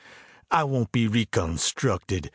I won't be re constructed!